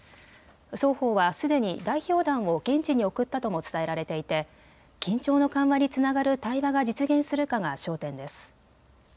双方はすでに代表団を現地に送ったとも伝えられていて緊張の緩和につながる対話が実現するかが焦点です。